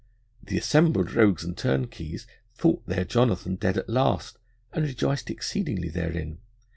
The assembled rogues and turnkeys thought their Jonathan dead at last, and rejoiced exceedingly therein.